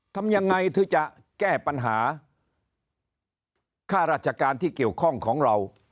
ทำยังไงที่จะแก้ปัญหาค่าราชการที่เกี่ยวข้องของเรา